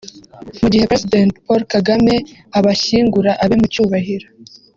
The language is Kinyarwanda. Mu gihe President Paul Kagame abashyingura abe mu cyubahiro